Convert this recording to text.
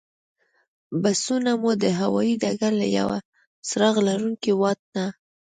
بسونه مو د هوایي ډګر له یوه څراغ لرونکي واټ نه.